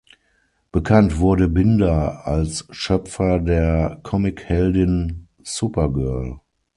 Bekannt wurde Binder als Schöpfer der Comic-Heldin Supergirl.